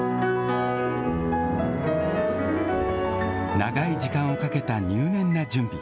長い時間をかけた入念な準備。